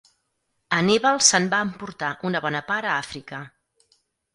Anníbal se'n va emportar una bona part a Àfrica.